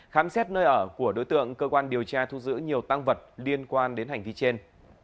khám xét nơi ở của đối tượng cơ quan điều tra thu giữ nhiều tăng vật liên quan đến hành vi trên